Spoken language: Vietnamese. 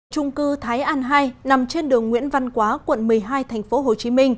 trung cư thái an hai nằm trên đường nguyễn văn quá quận một mươi hai tp hcm